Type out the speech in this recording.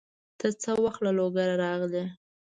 ته څه وخت له لوګره راغلې؟